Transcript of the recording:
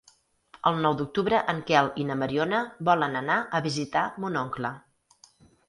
El nou d'octubre en Quel i na Mariona volen anar a visitar mon oncle.